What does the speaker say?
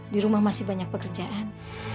di rumah masih banyak pekerjaan